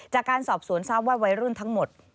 จากการสอบสวนทราบว่าวัยรุ่นทั้งหมด